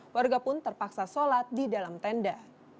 warga pun terpaksa sholat di dalam tenda